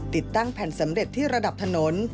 ติดตั้งแผ่นสำเร็จที่ระดับถนน